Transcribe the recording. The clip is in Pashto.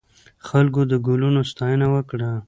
خلکو د ګلونو ستاینه وکړه.